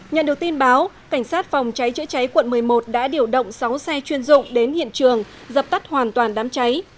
nhận được tin báo cảnh sát phòng cháy chữa cháy quận một mươi một đã điều động sáu xe chuyên dụng đến hiện trường dập tắt hoàn toàn đám cháy